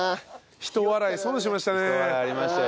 ひと笑いありましたよ